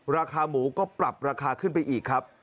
ราคาหมูก็ปรับราคาขึ้นไปอีกครับ